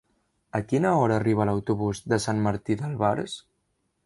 A quina hora arriba l'autobús de Sant Martí d'Albars?